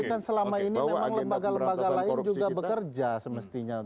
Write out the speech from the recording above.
tapi kan selama ini memang lembaga lembaga lain juga bekerja semestinya